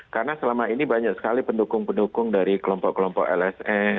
karena selama ini banyak sekali pendukung pendukung dari kelompok kelompok lsm